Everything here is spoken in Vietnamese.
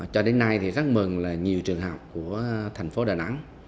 cho đến nay thì rất mừng là nhiều trường học của thành phố đà nẵng